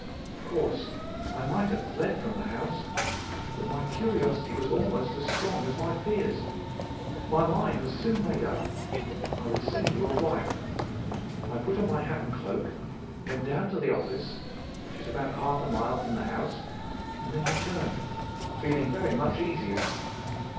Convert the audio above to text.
Of course I might have fled from the house, but my curiosity was almost as strong as my fears. My mind was soon made up. I would send you a wire. I put on my hat and cloak, went down to the office, which is about half a mile from the house, and then returned, feeling very much easier.